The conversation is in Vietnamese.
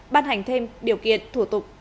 ban hành thêm điều kiện thủ tục